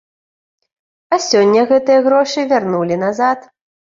А сёння гэтыя грошы вярнулі назад.